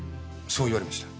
そう言われました。